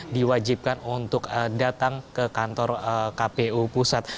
diwajibkan untuk datang ke kantor kpu pusat